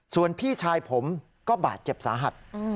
ส่วนพี่ชายผมก็บาดเจ็บสาหัส